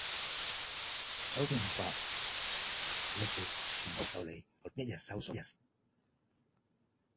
手段合法!力度到位!全國受理!一日收數!